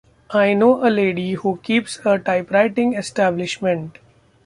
I know a lady who keeps a typewriting establishment.